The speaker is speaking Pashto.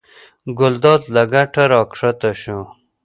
ګلداد له کټه راکښته شو.